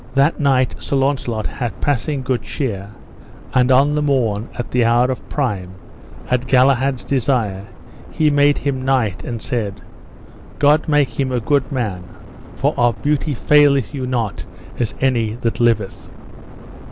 That night Sir Launcelot had passing good cheer; and on the morn at the hour of prime, at Galahad's desire, he made him knight and said: God make him a good man, for of beauty faileth you not as any that liveth.